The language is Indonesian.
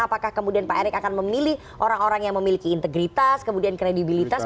apakah kemudian pak erick akan memilih orang orang yang memiliki integritas kemudian kredibilitas